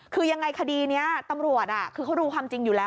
คือยังไงคดีนี้ตำรวจคือเขารู้ความจริงอยู่แล้ว